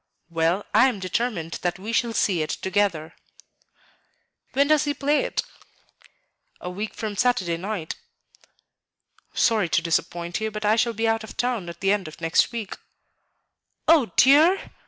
Well, I am determined that we shall see it together." "When does he play it?" "A week from Saturday night." "Sorry to disappoint you, but I shall be out of town at the end of next week." "Oh, dear?